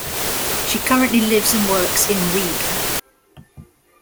She currently lives and works in Riga.